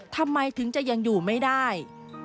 ทำไมถึงจะยังอยู่ไม่ได้